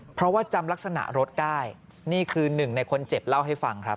เพราะว่าจำลักษณะรถได้นี่คือหนึ่งในคนเจ็บเล่าให้ฟังครับ